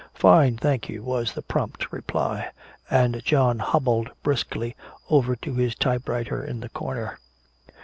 "Fine, thank you," was the prompt reply. And John hobbled briskly over to his typewriter in the corner.